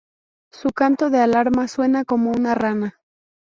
Su canto de alarma suena como una rana.